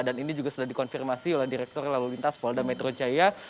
dan ini juga sudah dikonfirmasi oleh direktur lalu lintas polda metro jaya